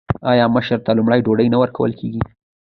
آیا مشر ته لومړی ډوډۍ نه ورکول کیږي؟